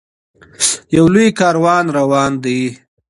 یو لوی کاروان روان دی.